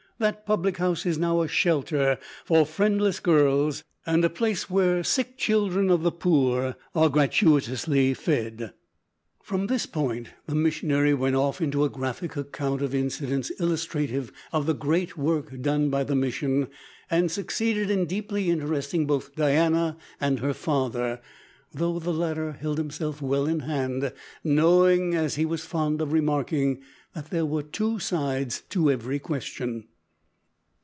That public house is now a shelter for friendless girls, and a place where sick children of the poor are gratuitously fed." From this point the missionary went off into a graphic account of incidents illustrative of the great work done by the mission, and succeeded in deeply interesting both Diana and her father, though the latter held himself well in hand, knowing, as he was fond of remarking, that there were two sides to every question.